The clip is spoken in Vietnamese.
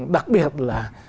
đặc biệt là